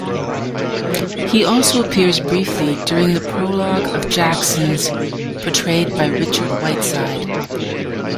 He also appears briefly during the prologue of Jackson's "", portrayed by Richard Whiteside.